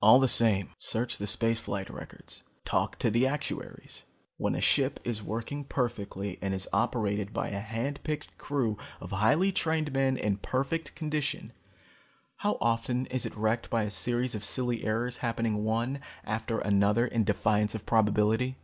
"All the same, search the space flight records, talk to the actuaries. When a ship is working perfectly and is operated by a hand picked crew of highly trained men in perfect condition, how often is it wrecked by a series of silly errors happening one after another in defiance of probability?